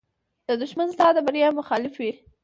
دښمن ستا د بریا مخالف وي